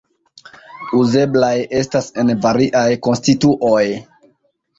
Uzeblaj estas en variaj konstituoj.